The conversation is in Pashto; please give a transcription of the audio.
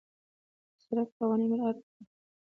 د سړک قوانين مراعت کړه.